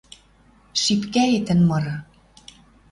Шипкӓэтӹн мыры